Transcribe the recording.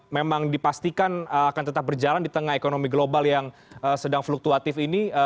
memang dipastikan akan tetap berjalan di tengah ekonomi global yang sedang fluktuatif ini